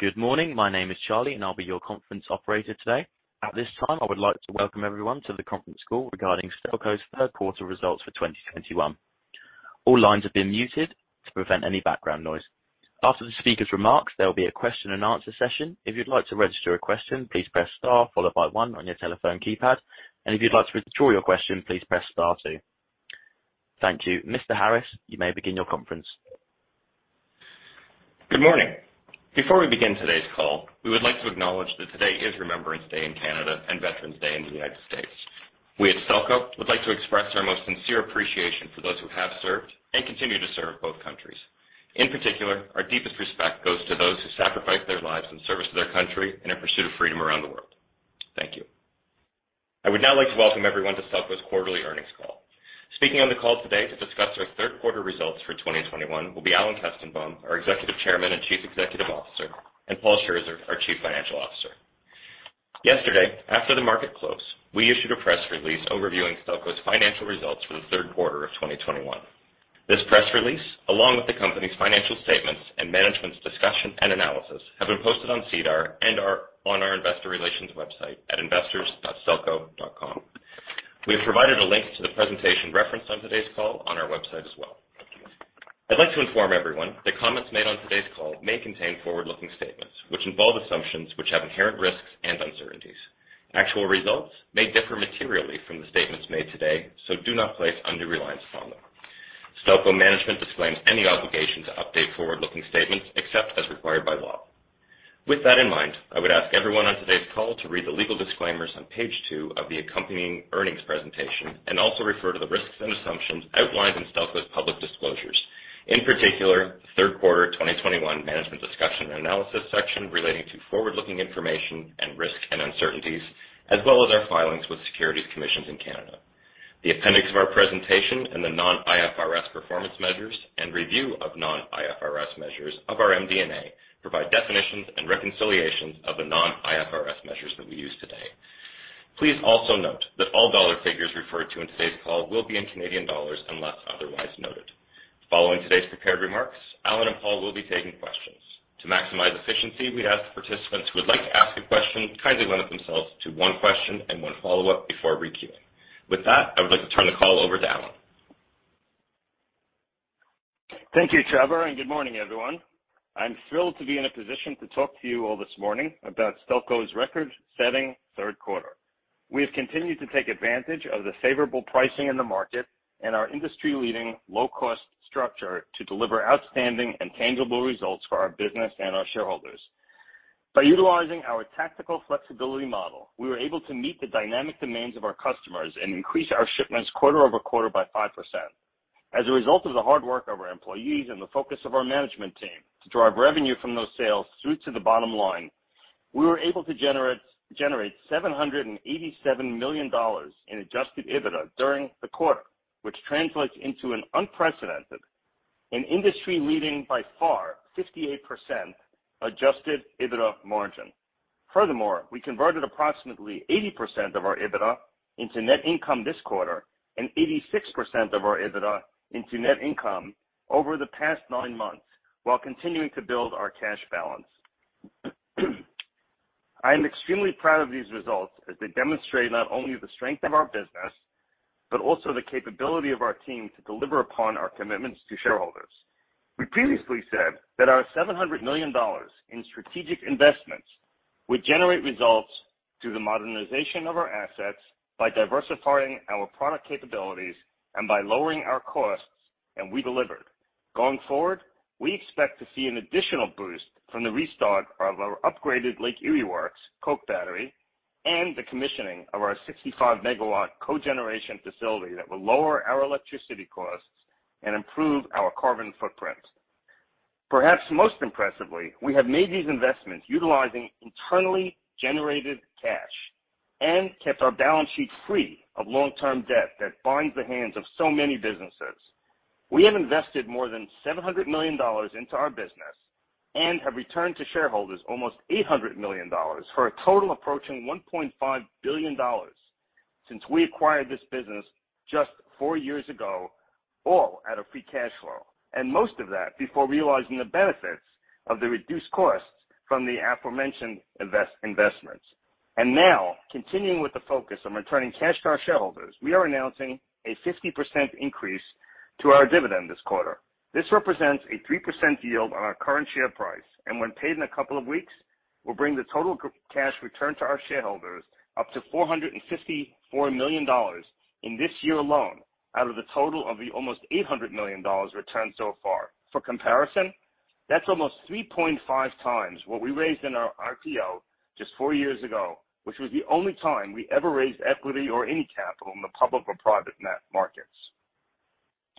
Good morning. My name is Charlie, and I'll be your conference operator today. At this time, I would like to welcome everyone to the conference call regarding Stelco's Q3 results for 2021. All lines have been muted to prevent any background noise. After the speaker's remarks, there will be a question-and-answer session. If you'd like to register a question, please press star followed by one on your telephone keypad. If you'd like to withdraw your question, please press star two. Thank you. Mr. Harris, you may begin your conference. Good morning. Before we begin today's call, we would like to acknowledge that today is Remembrance Day in Canada and Veterans Day in the United States. We at Stelco would like to express our most sincere appreciation for those who have served and continue to serve both countries. In particular, our deepest respect goes to those who sacrificed their lives in service to their country and in pursuit of freedom around the world. Thank you. I would now like to welcome everyone to Stelco's quarterly earnings call. Speaking on the call today to discuss our Q3 results for 2021 will be Alan Kestenbaum, our Executive Chairman and Chief Executive Officer, and Paul Scherzer, our Chief Financial Officer. Yesterday, after the market closed, we issued a press release overviewing Stelco's financial results for the Q3 of 2021. This press release, along with the company's financial statements and management's discussion and analysis, have been posted on SEDAR and are on our investor relations website at investors.stelco.com. We have provided a link to the presentation referenced on today's call on our website as well. I'd like to inform everyone that comments made on today's call may contain forward-looking statements, which involve assumptions which have inherent risks and uncertainties. Actual results may differ materially from the statements made today, so do not place undue reliance upon them. Stelco management disclaims any obligation to update forward-looking statements except as required by law. With that in mind, I would ask everyone on today's call to read the legal disclaimers on page two of the accompanying earnings presentation and also refer to the risks and assumptions outlined in Stelco's public disclosures. In particular, Q3 2021 management's discussion and analysis section relating to forward-looking information and risks and uncertainties, as well as our filings with securities commissions in Canada. The appendix of our presentation and the non-IFRS performance measures and review of non-IFRS measures of our MD&A provide definitions and reconciliations of the non-IFRS measures that we use today. Please also note that all dollar figures referred to in today's call will be in Canadian dollars unless otherwise noted. Following today's prepared remarks, Alan and Paul will be taking questions. To maximize efficiency, we ask participants who would like to ask a question, kindly limit themselves to one question and one follow-up before re-queuing. With that, I would like to turn the call over to Alan. Thank you, Trevor, and good morning, everyone. I'm thrilled to be in a position to talk to you all this morning about Stelco's record-setting Q3. We have continued to take advantage of the favorable pricing in the market and our industry-leading low-cost structure to deliver outstanding and tangible results for our business and our shareholders. By utilizing our tactical flexibility model, we were able to meet the dynamic demands of our customers and increase our shipments quarter-over-quarter by 5%. As a result of the hard work of our employees and the focus of our management team to drive revenue from those sales through to the bottom line, we were able to generate seven hundred and eighty-seven million dollars in adjusted EBITDA during the quarter, which translates into an unprecedented and industry-leading by far, 58% adjusted EBITDA margin. Furthermore, we converted approximately 80% of our EBITDA into net income this quarter and 86% of our EBITDA into net income over the past nine months while continuing to build our cash balance. I am extremely proud of these results as they demonstrate not only the strength of our business, but also the capability of our team to deliver upon our commitments to shareholders. We previously said that our 700 million dollars in strategic investments would generate results through the modernization of our assets by diversifying our product capabilities and by lowering our costs, and we delivered. Going forward, we expect to see an additional boost from the restart of our upgraded Lake Erie Works coke battery and the commissioning of our 65 MW cogeneration facility that will lower our electricity costs and improve our carbon footprint. Perhaps most impressively, we have made these investments utilizing internally generated cash and kept our balance sheet free of long-term debt that binds the hands of so many businesses. We have invested more than 700 million dollars into our business and have returned to shareholders almost 800 million dollars, for a total approaching 1.5 billion dollars since we acquired this business just four years ago, all out of free cash flow. Most of that before realizing the benefits of the reduced costs from the aforementioned investments. Now, continuing with the focus on returning cash to our shareholders, we are announcing a 50% increase to our dividend this quarter. This represents a 3% yield on our current share price, and when paid in a couple of weeks, will bring the total cash returned to our shareholders up to 454 million dollars in this year alone, out of the total of the almost 800 million dollars returned so far. For comparison, that's almost 3.5x what we raised in our IPO just 4 years ago, which was the only time we ever raised equity or any capital in the public or private debt markets.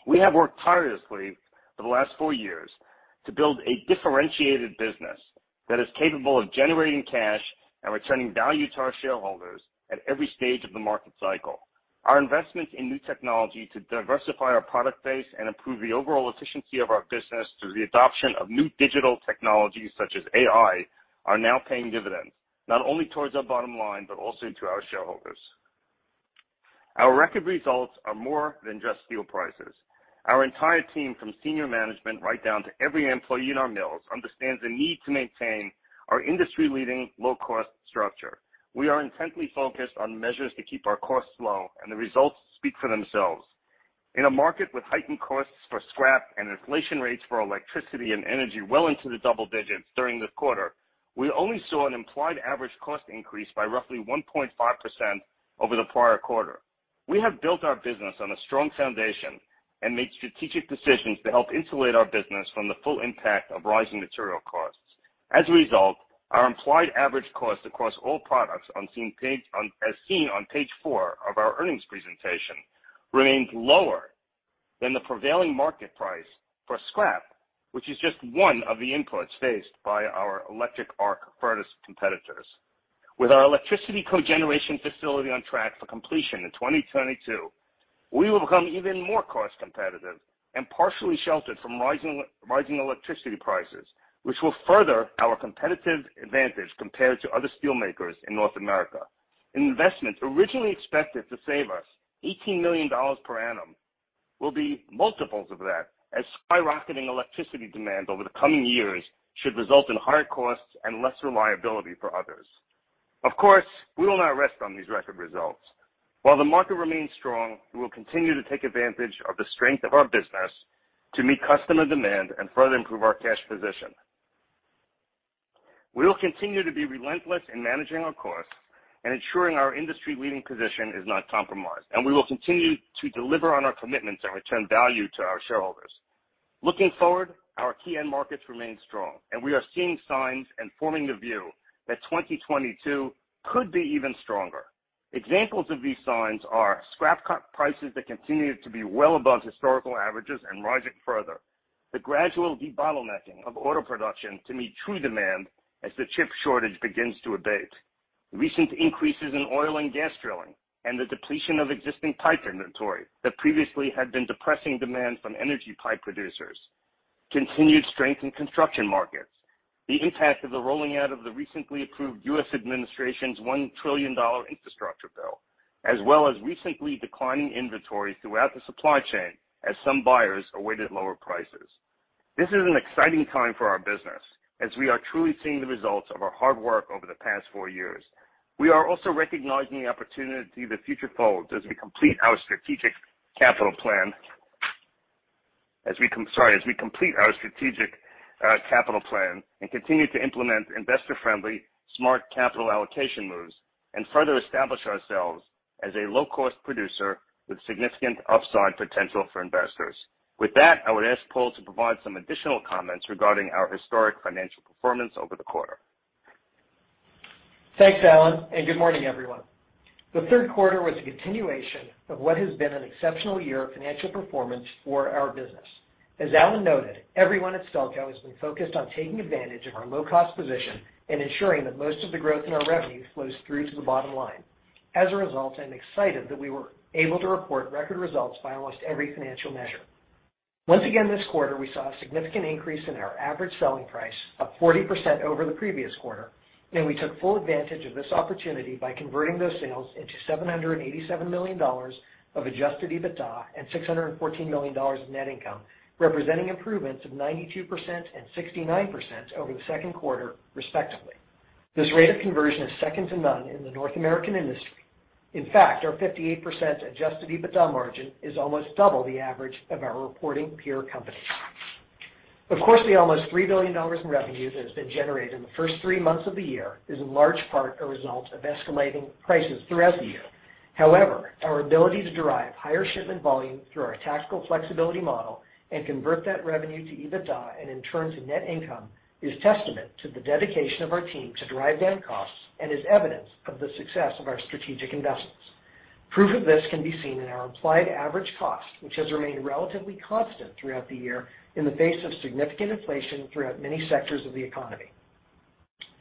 We have worked tirelessly for the last 4 years to build a differentiated business that is capable of generating cash and returning value to our shareholders at every stage of the market cycle. Our investments in new technology to diversify our product base and improve the overall efficiency of our business through the adoption of new digital technologies such as AI are now paying dividends, not only towards our bottom line, but also to our shareholders. Our record results are more than just steel prices. Our entire team, from senior management right down to every employee in our mills, understands the need to maintain our industry-leading low-cost structure. We are intently focused on measures to keep our costs low, and the results speak for themselves. In a market with heightened costs for scrap and inflation rates for electricity and energy well into the double digits during the quarter, we only saw an implied average cost increase by roughly 1.5% over the prior quarter. We have built our business on a strong foundation and made strategic decisions to help insulate our business from the full impact of rising material costs. As a result, our implied average cost across all products as seen on page 4 of our earnings presentation remained lower than the prevailing market price for scrap, which is just one of the inputs faced by our electric arc furnace competitors. With our electricity cogeneration facility on track for completion in 2022, we will become even more cost-competitive and partially sheltered from rising electricity prices, which will further our competitive advantage compared to other steel makers in North America. An investment originally expected to save us 18 million dollars per annum will be multiples of that, as skyrocketing electricity demand over the coming years should result in higher costs and less reliability for others. Of course, we will not rest on these record results. While the market remains strong, we will continue to take advantage of the strength of our business to meet customer demand and further improve our cash position. We will continue to be relentless in managing our costs and ensuring our industry-leading position is not compromised, and we will continue to deliver on our commitments and return value to our shareholders. Looking forward, our key end markets remain strong, and we are seeing signs and forming the view that 2022 could be even stronger. Examples of these signs are scrap prices that continue to be well above historical averages and rising further. The gradual debottlenecking of auto production to meet true demand as the chip shortage begins to abate. Recent increases in oil and gas drilling and the depletion of existing pipe inventory that previously had been depressing demand from energy pipe producers. Continued strength in construction markets. The impact of the rolling out of the recently approved U.S. administration's $1 trillion infrastructure bill. As well as recently declining inventories throughout the supply chain as some buyers awaited lower prices. This is an exciting time for our business as we are truly seeing the results of our hard work over the past four years. We are also recognizing the opportunity that the future holds as we complete our strategic capital plan and continue to implement investor-friendly, smart capital allocation moves and further establish ourselves as a low-cost producer with significant upside potential for investors. With that, I would ask Paul to provide some additional comments regarding our historic financial performance over the quarter. Thanks, Alan, and good morning, everyone. The third quarter was a continuation of what has been an exceptional year of financial performance for our business. As Alan noted, everyone at Stelco has been focused on taking advantage of our low-cost position and ensuring that most of the growth in our revenue flows through to the bottom line. As a result, I'm excited that we were able to report record results by almost every financial measure. Once again, this quarter, we saw a significant increase in our average selling price of 40% over the previous quarter, and we took full advantage of this opportunity by converting those sales into 787 million dollars of adjusted EBITDA and 614 million dollars of net income, representing improvements of 92% and 69% over the second quarter, respectively. This rate of conversion is second to none in the North American industry. In fact, our 58% adjusted EBITDA margin is almost double the average of our reporting peer companies. Of course, the almost 3 billion dollars in revenue that has been generated in the first three months of the year is in large part a result of escalating prices throughout the year. However, our ability to derive higher shipment volume through our tactical flexibility model and convert that revenue to EBITDA and in turn to net income is testament to the dedication of our team to drive down costs and is evidence of the success of our strategic investments. Proof of this can be seen in our implied average cost, which has remained relatively constant throughout the year in the face of significant inflation throughout many sectors of the economy.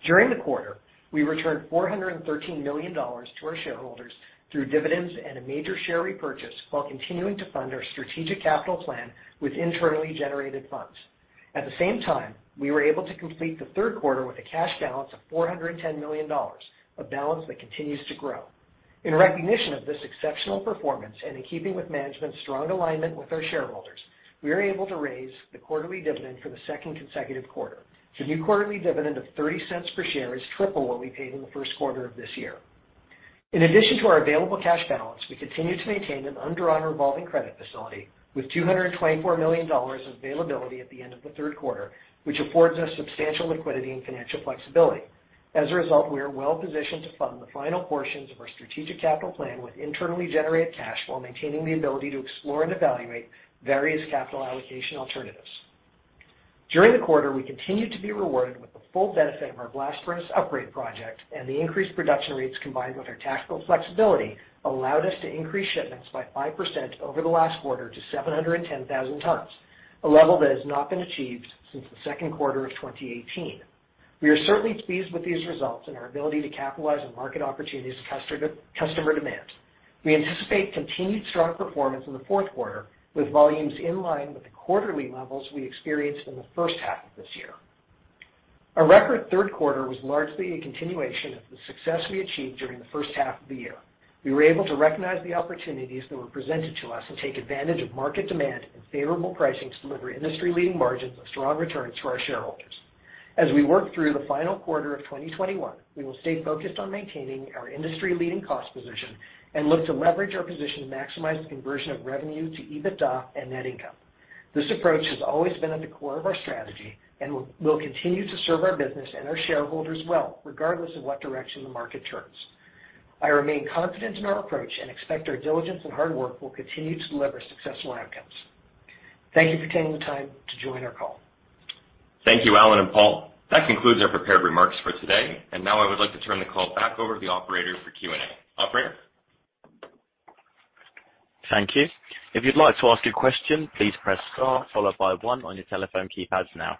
During the quarter, we returned 413 million dollars to our shareholders through dividends and a major share repurchase while continuing to fund our strategic capital plan with internally generated funds. At the same time, we were able to complete the third quarter with a cash balance of 410 million dollars, a balance that continues to grow. In recognition of this exceptional performance and in keeping with management's strong alignment with our shareholders, we are able to raise the quarterly dividend for the second consecutive quarter. The new quarterly dividend of 0.30 per share is triple what we paid in the Q1 of this year. In addition to our available cash balance, we continue to maintain an undrawn revolving credit facility with 224 million dollars of availability at the end of the Q3, which affords us substantial liquidity and financial flexibility. As a result, we are well positioned to fund the final portions of our strategic capital plan with internally generated cash while maintaining the ability to explore and evaluate various capital allocation alternatives. During the quarter, we continued to be rewarded with the full benefit of our blast furnace upgrade project and the increased production rates combined with our tactical flexibility allowed us to increase shipments by 5% over the last quarter to 710,000 tons, a level that has not been achieved since the Q2 of 2018. We are certainly pleased with these results and our ability to capitalize on market opportunities, customer demand. We anticipate continued strong performance in the Q4 with volumes in line with the quarterly levels we experienced in the first half of this year. Our record Q3 was largely a continuation of the success we achieved during the first half of the year. We were able to recognize the opportunities that were presented to us and take advantage of market demand and favorable pricing to deliver industry-leading margins with strong returns to our shareholders. As we work through the final quarter of 2021, we will stay focused on maintaining our industry-leading cost position and look to leverage our position to maximize the conversion of revenue to EBITDA and net income. This approach has always been at the core of our strategy and will continue to serve our business and our shareholders well, regardless of what direction the market turns. I remain confident in our approach and expect our diligence and hard work will continue to deliver successful outcomes. Thank you for taking the time to join our call. Thank you, Alan and Paul. That concludes our prepared remarks for today. Now I would like to turn the call back over to the operator for Q&A. Operator? Thank you. If you'd like to ask a question, please press star followed by one on your telephone keypads now.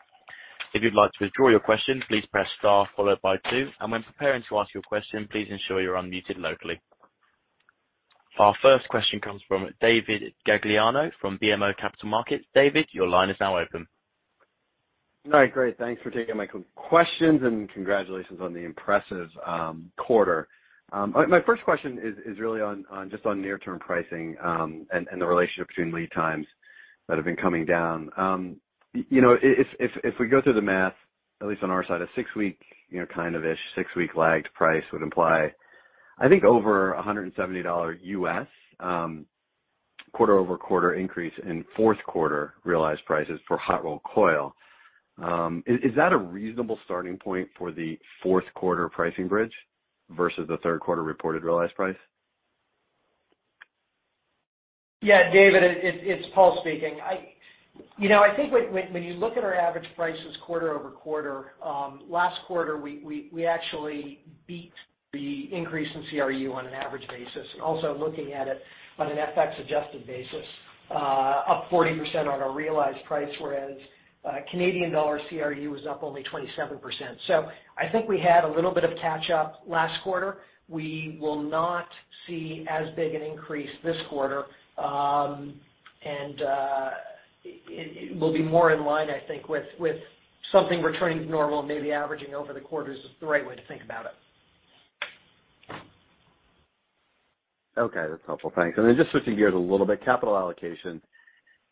If you'd like to withdraw your question, please press star followed by two. When preparing to ask your question, please ensure you're unmuted locally. Our first question comes from David Gagliano from BMO Capital Markets. David, your line is now open. All right, great. Thanks for taking my questions, and congratulations on the impressive quarter. My first question is really on just near-term pricing and the relationship between lead times that have been coming down. You know, if we go through the math, at least on our side, a 6-week, you know, kind of-ish, 6-week lagged price would imply, I think, over $170 U.S. quarter-over-quarter increase in Q4 realized prices for hot rolled coil. Is that a reasonable starting point for the Q4 pricing bridge versus the Q3 reported realized price? Yeah, David, it's Paul speaking. You know, I think when you look at our average prices quarter-over-quarter, last quarter, we actually beat the increase in CRU on an average basis, and also looking at it on an FX-adjusted basis, up 40% on our realized price, whereas Canadian dollar CRU was up only 27%. I think we had a little bit of catch up last quarter. We will not see as big an increase this quarter, and it will be more in line, I think, with something returning to normal and maybe averaging over the quarter is the right way to think about it. Okay, that's helpful. Thanks. Just switching gears a little bit. Capital allocation,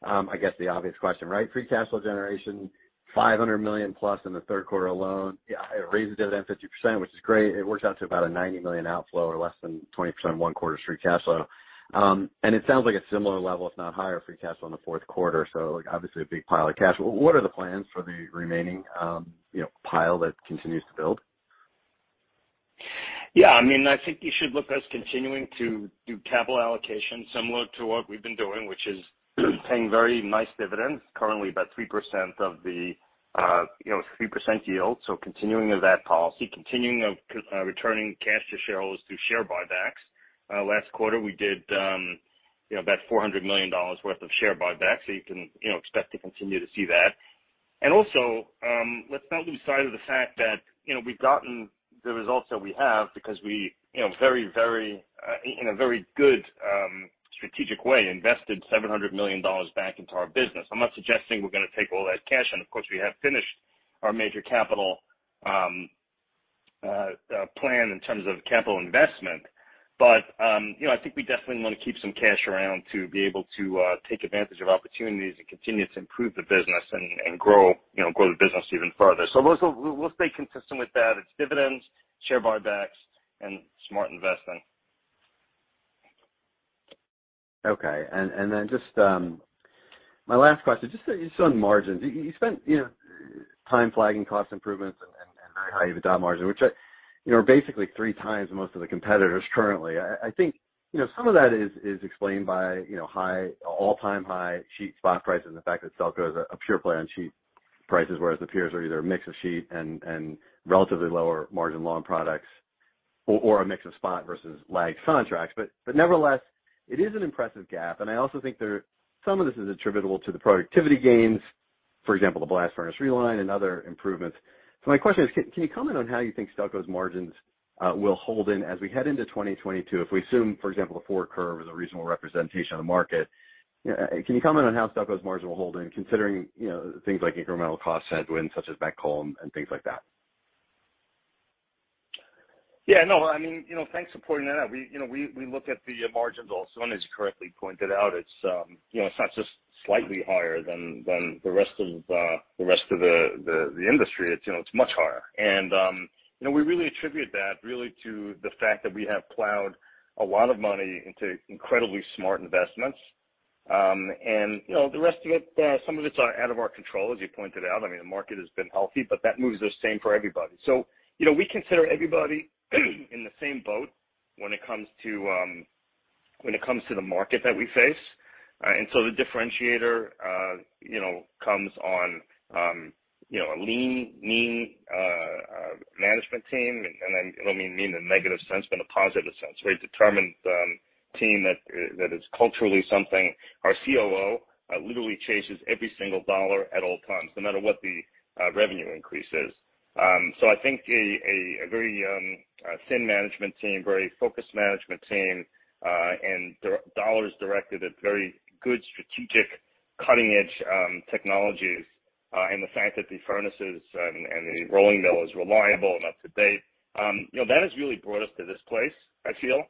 I guess the obvious question, right? Free cash flow generation, 500 million+ in the Q3 alone. Yeah, it raised the dividend 50%, which is great. It works out to about a 90 million outflow or less than 20% one quarter of free cash flow. It sounds like a similar level, if not higher, free cash flow in the fourth quarter. Obviously, a big pile of cash. What are the plans for the remaining, you know, pile that continues to build? Yeah, I mean, I think you should look at us continuing to do capital allocation similar to what we've been doing, which is paying very nice dividends, currently about 3% of the, you know, 3% yield. Continuing that policy, continuing returning cash to shareholders through share buybacks. Last quarter we did, you know, about 400 million dollars worth of share buybacks. You can, you know, expect to continue to see that. Also, let's not lose sight of the fact that, you know, we've gotten the results that we have because we, you know, very in a very good strategic way, invested 700 million dollars back into our business. I'm not suggesting we're gonna take all that cash, and of course, we have finished our major capital plan in terms of capital investment. You know, I think we definitely want to keep some cash around to be able to take advantage of opportunities and continue to improve the business and grow the business even further. We'll stay consistent with that. It's dividends, share buybacks, and smart investing. Okay. Then my last question, just on margins. You spent, you know, time flagging cost improvements and very high EBITDA margin, which, you know, are basically three times most of the competitors currently. I think, you know, some of that is explained by high, all-time high sheet spot prices and the fact that Stelco is a pure play on sheet prices, whereas the peers are either a mix of sheet and relatively lower margin long products or a mix of spot versus lagged contracts. Nevertheless, it is an impressive gap, and I also think some of this is attributable to the productivity gains, for example, the blast furnace reline and other improvements. My question is, can you comment on how you think Stelco's margins will hold up as we head into 2022? If we assume, for example, the forward curve is a reasonable representation of the market, can you comment on how Stelco's margins will hold up considering, you know, things like incremental cost headwinds such as met coal and things like that? Yeah, no. I mean, you know, thanks for pointing that out. We, you know, look at the margins also. As you correctly pointed out, it's not just slightly higher than the rest of the industry. It's much higher. We really attribute that really to the fact that we have plowed a lot of money into incredibly smart investments. The rest of it, some of it's out of our control, as you pointed out. I mean, the market has been healthy, but that moves the same for everybody. We consider everybody in the same boat when it comes to the market that we face. The differentiator, you know, comes on, you know, a lean, mean management team. I don't mean mean in a negative sense, but in a positive sense. Very determined team that is culturally something. Our COO literally chases every single dollar at all times, no matter what the revenue increase is. I think a very thin management team, very focused management team, and dollars directed at very good strategic, cutting-edge technologies, and the fact that the furnaces and the rolling mill is reliable and up to date, you know, that has really brought us to this place, I feel.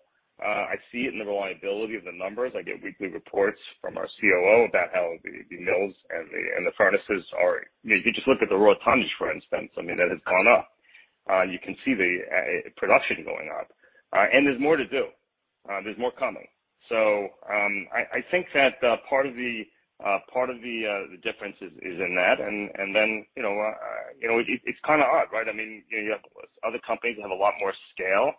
I see it in the reliability of the numbers. I get weekly reports from our COO about how the mills and the furnaces are. You know, if you just look at the raw tonnage, for instance, I mean, that has gone up. You can see the production going up. And there's more to do. There's more coming. I think that part of the difference is in that. Then, you know, you know, it's kinda odd, right? I mean, you have other companies that have a lot more scale.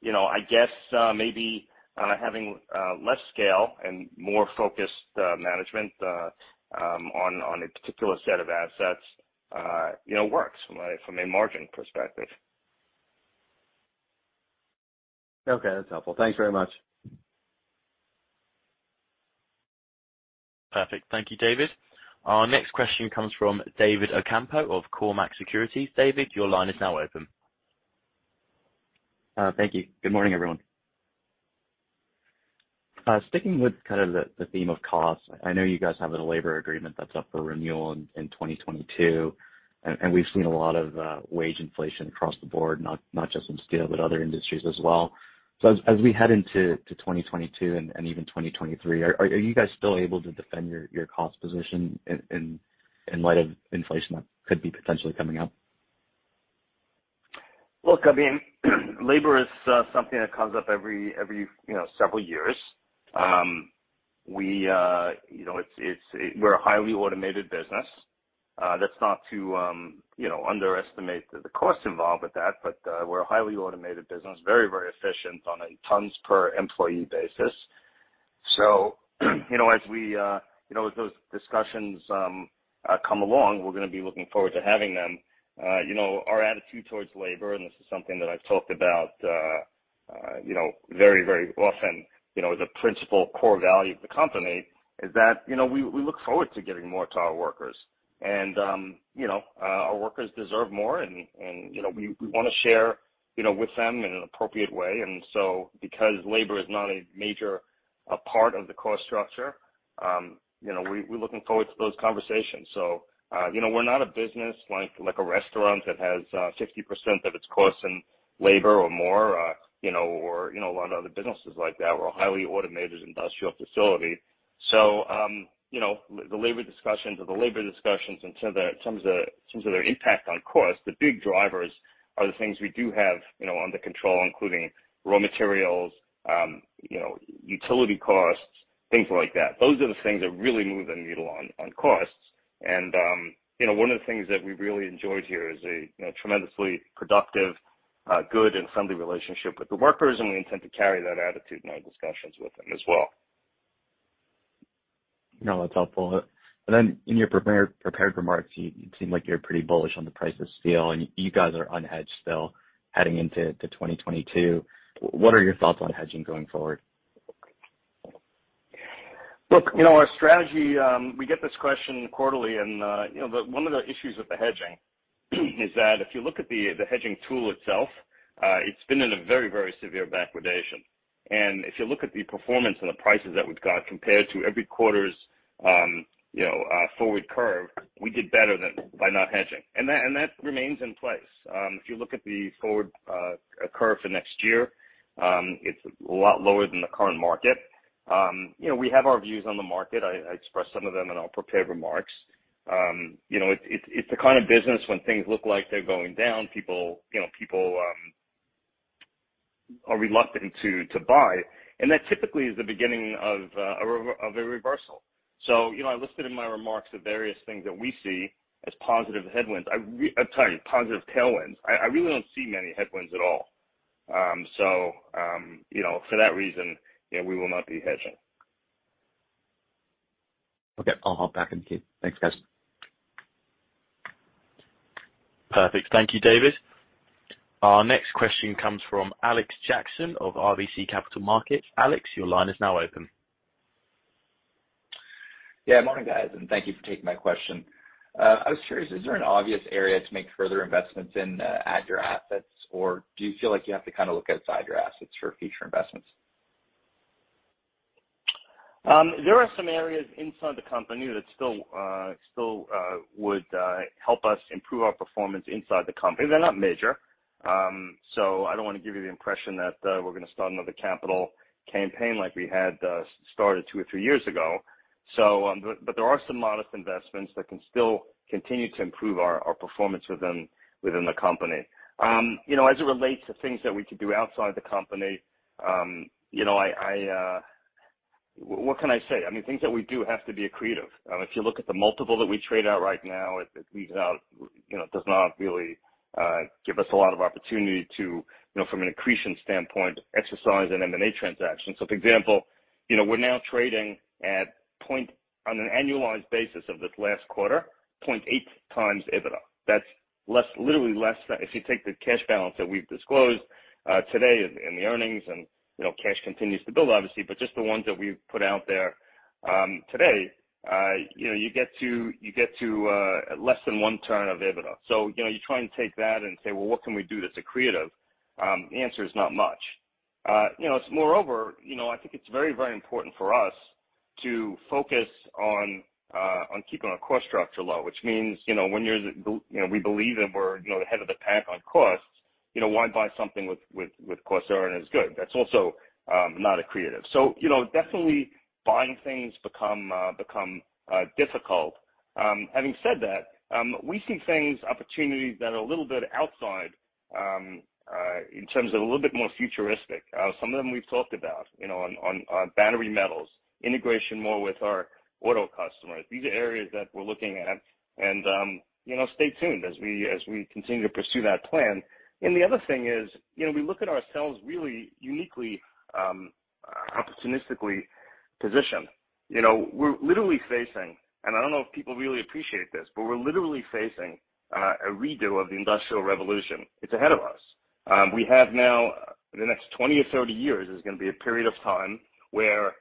You know, I guess, maybe kinda having less scale and more focused management on a particular set of assets, you know, works from a margin perspective. Okay, that's helpful. Thanks very much. Perfect. Thank you, David. Our next question comes from David Ocampo of Cormark Securities. David, your line is now open. Thank you. Good morning, everyone. Sticking with kind of the theme of cost, I know you guys have a labor agreement that's up for renewal in 2022. We've seen a lot of wage inflation across the board, not just in steel, but other industries as well. As we head into 2022 and even 2023, are you guys still able to defend your cost position in light of inflation that could be potentially coming up? Look, I mean, labor is something that comes up every, you know, several years. You know, we're a highly automated business. That's not to, you know, underestimate the costs involved with that, but we're a highly automated business, very efficient on a tons per employee basis. You know, as those discussions come along, we're gonna be looking forward to having them. You know, our attitude towards labor, and this is something that I've talked about, you know, very often, you know, as a principal core value of the company, is that, you know, we look forward to giving more to our workers. You know, our workers deserve more and, you know, we wanna share, you know, with them in an appropriate way. Because labor is not a major part of the cost structure, you know, we're looking forward to those conversations. You know, we're not a business like a restaurant that has 60% of its costs in labor or more, you know, or a lot of other businesses like that. We're a highly automated industrial facility. You know, the labor discussions in terms of their impact on cost, the big drivers are the things we do have, you know, under control, including raw materials, you know, utility costs, things like that. Those are the things that really move the needle on costs. You know, one of the things that we've really enjoyed here is a you know, tremendously productive good and friendly relationship with the workers, and we intend to carry that attitude in our discussions with them as well. No, that's helpful. Then in your prepared remarks, you seem like you're pretty bullish on the price of steel, and you guys are unhedged still heading into 2022. What are your thoughts on hedging going forward? Look, you know, our strategy. We get this question quarterly and, you know, the one of the issues with the hedging is that if you look at the hedging tool itself, it's been in a very severe backwardation. If you look at the performance and the prices that we've got compared to every quarter's forward curve, we did better by not hedging. That remains in place. If you look at the forward curve for next year, it's a lot lower than the current market. You know, we have our views on the market. I expressed some of them in our prepared remarks. You know, it's the kind of business when things look like they're going down, people are reluctant to buy. That typically is the beginning of a reversal. You know, I listed in my remarks the various things that we see as positive headwinds. I'm sorry, positive tailwinds. I really don't see many headwinds at all. You know, for that reason, you know, we will not be hedging. Okay. I'll hop back in queue. Thanks, guys. Perfect. Thank you, David. Our next question comes from Alexander Jackson of RBC Capital Markets. Alex, your line is now open. Yeah. Morning, guys, and thank you for taking my question. I was curious, is there an obvious area to make further investments in at your assets? Or do you feel like you have to kind of look outside your assets for future investments? There are some areas inside the company that still would help us improve our performance inside the company. They're not major, so I don't wanna give you the impression that we're gonna start another capital campaign like we had started two or three years ago. There are some modest investments that can still continue to improve our performance within the company. You know, as it relates to things that we could do outside the company, you know, I what can I say? I mean, things that we do have to be accretive. If you look at the multiple that we trade at right now, it leaves out, you know, does not really give us a lot of opportunity to, you know, from an accretion standpoint, exercise an M&A transaction. For example, you know, we're now trading at 0.8x EBITDA on an annualized basis of this last quarter. That's less, literally less—if you take the cash balance that we've disclosed today in the earnings and, you know, cash continues to build obviously, but just the ones that we've put out there today, you know, you get to less than 1x EBITDA. You know, you try and take that and say, "Well, what can we do that's accretive?" The answer is not much. You know, moreover, you know, I think it's very, very important for us to focus on keeping our cost structure low, which means, you know, when you're, you know, we believe that we're, you know, the head of the pack on costs. You know, why buy something with cost that isn't as good? That's also not attractive. You know, definitely buying things become difficult. Having said that, we see things, opportunities that are a little bit outside in terms of a little bit more futuristic. Some of them we've talked about, you know, on battery metals, integration more with our auto customers. These are areas that we're looking at and, you know, stay tuned as we continue to pursue that plan. The other thing is, you know, we look at ourselves really uniquely opportunistically positioned. You know, we're literally facing, and I don't know if people really appreciate this, but we're literally facing a redo of the Industrial Revolution. It's ahead of us. We have now the next 20 or 30 years is gonna be a period of time where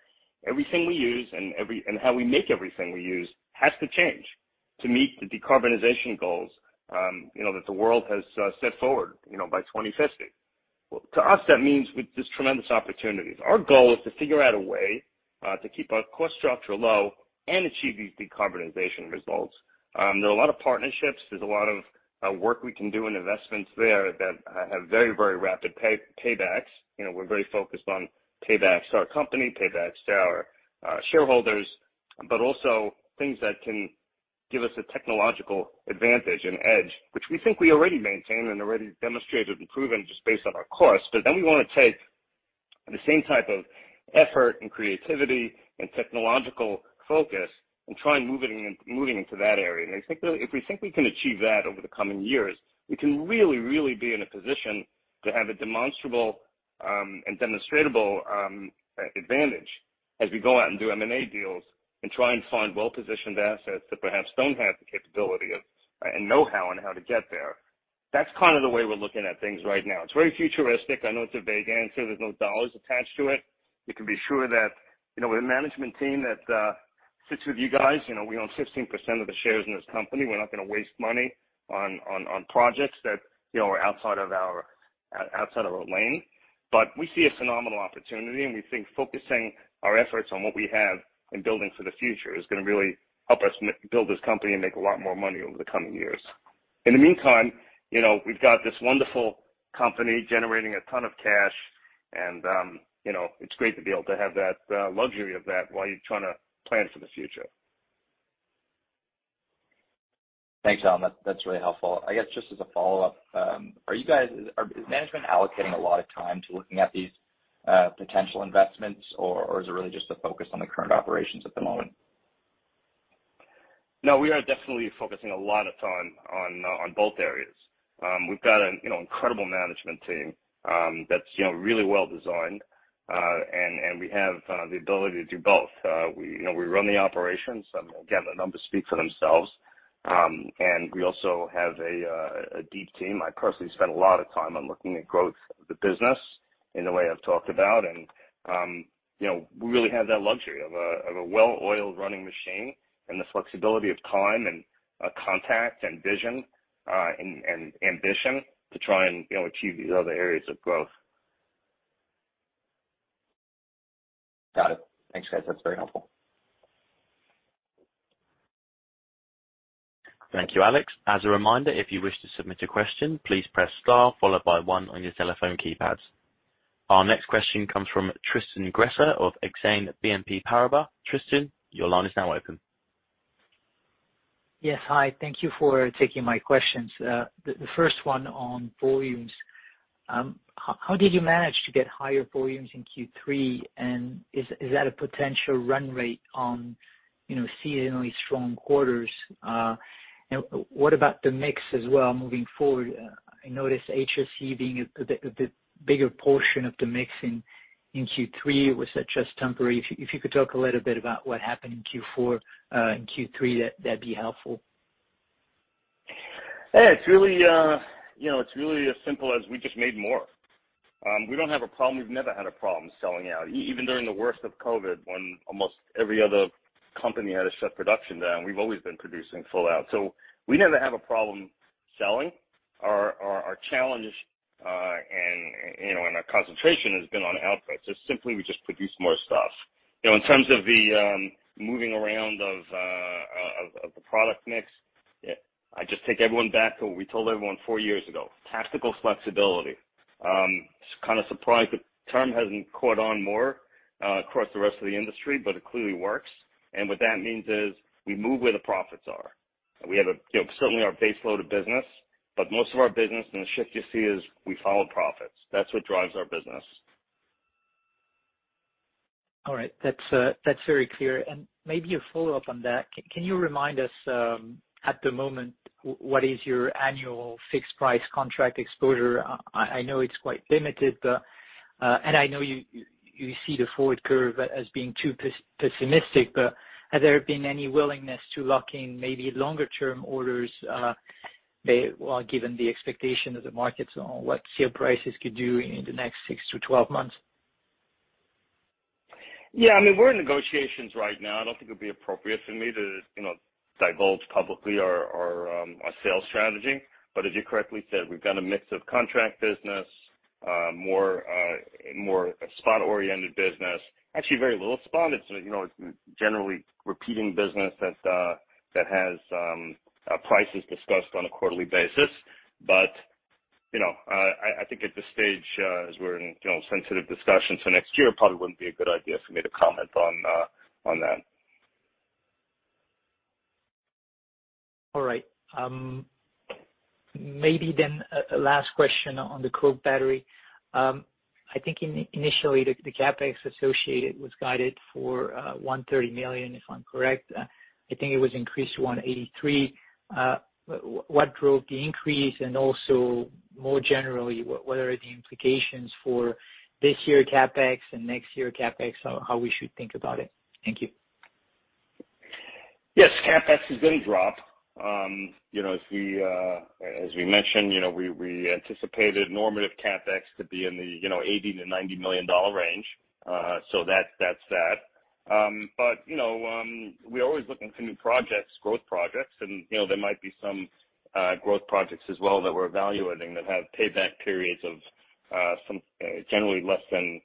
everything we use and how we make everything we use has to change to meet the decarbonization goals, you know, that the world has set forward, you know, by 2050. To us, that means there's tremendous opportunities. Our goal is to figure out a way to keep our cost structure low and achieve these decarbonization results. There are a lot of partnerships. There's a lot of work we can do in investments there that have very, very rapid paybacks. You know, we're very focused on paybacks to our company, paybacks to our shareholders, but also things that can give us a technological advantage and edge, which we think we already maintain and already demonstrated and proven just based on our costs. We wanna take the same type of effort and creativity and technological focus and try and move it in, moving into that area. I think if we think we can achieve that over the coming years, we can really, really be in a position to have a demonstrable and demonstratable advantage as we go out and do M&A deals and try and find well-positioned assets that perhaps don't have the capability of and know-how on how to get there. That's kind of the way we're looking at things right now. It's very futuristic. I know it's a vague answer. There's no dollars attached to it. You can be sure that, you know, with a management team that sits with you guys, you know, we own 16% of the shares in this company. We're not gonna waste money on projects that, you know, are outside of our lane. We see a phenomenal opportunity, and we think focusing our efforts on what we have and building for the future is gonna really help us build this company and make a lot more money over the coming years. In the meantime, you know, we've got this wonderful company generating a ton of cash, and, you know, it's great to be able to have that luxury of that while you're trying to plan for the future. Thanks, Alan. That's really helpful. I guess just as a follow-up, is management allocating a lot of time to looking at these potential investments, or is it really just a focus on the current operations at the moment? No, we are definitely focusing a lot of time on both areas. We've got an, you know, incredible management team that's, you know, really well designed. We have the ability to do both. We, you know, we run the operations. Again, the numbers speak for themselves. We also have a deep team. I personally spend a lot of time on looking at growth of the business in the way I've talked about. You know, we really have that luxury of a well-oiled running machine and the flexibility of time and contact and vision, and ambition to try and, you know, achieve these other areas of growth. Got it. Thanks, guys. That's very helpful. Thank you, Alex. As a reminder, if you wish to submit a question, please press star followed by one on your telephone keypads. Our next question comes from Tristan Gresser of Exane BNP Paribas. Tristan, your line is now open. Yes. Hi. Thank you for taking my questions. The first one on volumes. How did you manage to get higher volumes in Q3, and is that a potential run rate on, you know, seasonally strong quarters? What about the mix as well moving forward? I noticed HRC being the bigger portion of the mix in Q3. Was that just temporary? If you could talk a little bit about what happened in Q4, in Q3, that'd be helpful. Yeah. It's really, you know, it's really as simple as we just made more. We don't have a problem. We've never had a problem selling out. Even during the worst of COVID, when almost every other company had to shut production down, we've always been producing full out. We never have a problem selling. Our challenge and our concentration has been on output. Simply we just produce more stuff. You know, in terms of the moving around of the product mix, I just take everyone back to what we told everyone four years ago, tactical flexibility. Kind of surprised the term hasn't caught on more across the rest of the industry, but it clearly works. What that means is we move where the profits are. We have, you know, certainly our base load of business, but most of our business and the shift you see is we follow profits. That's what drives our business. All right. That's very clear. Maybe a follow-up on that. Can you remind us, at the moment, what is your annual fixed price contract exposure? I know it's quite limited, but and I know you see the forward curve as being too pessimistic. Has there been any willingness to lock in maybe longer-term orders, well, given the expectation of the markets on what steel prices could do in the next six to twelve months? Yeah, I mean, we're in negotiations right now. I don't think it'd be appropriate for me to, you know, divulge publicly our sales strategy. As you correctly said, we've got a mix of contract business, more spot-oriented business. Actually, very little spot. It's, you know, it's generally repeating business that has prices discussed on a quarterly basis. You know, I think at this stage, as we're in, you know, sensitive discussions for next year, it probably wouldn't be a good idea for me to comment on that. All right. Maybe then a last question on the coke battery. I think initially, the CapEx associated was guided for 130 million, if I'm correct. I think it was increased to 183 million. What drove the increase and also more generally, what are the implications for this year CapEx and next year CapEx, how we should think about it? Thank you. Yes, CapEx is gonna drop. You know, as we mentioned, you know, we anticipated normative CapEx to be in the, you know, 80 million-90 million dollar range. That's that. You know, we're always looking for new projects, growth projects, and, you know, there might be some growth projects as well that we're evaluating that have payback periods of some generally less than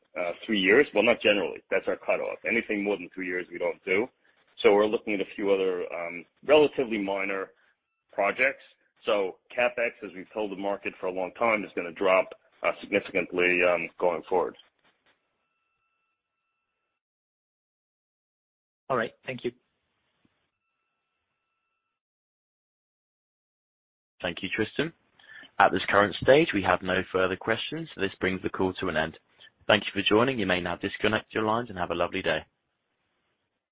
3 years. Well, not generally. That's our cutoff. Anything more than 3 years, we don't do. We're looking at a few other relatively minor projects. CapEx, as we've told the market for a long time, is gonna drop significantly going forward. All right. Thank you. Thank you, Tristan. At this current stage, we have no further questions. This brings the call to an end. Thank you for joining. You may now disconnect your lines and have a lovely day.